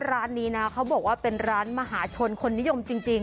ร้านนี้นะเขาบอกว่าเป็นร้านมหาชนคนนิยมจริง